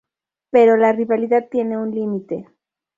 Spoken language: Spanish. Pero la rivalidad tiene un límite.